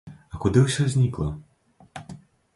А куды ўсё знікла?